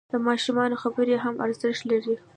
د ماشومانو خبرې هم ارزښت لري.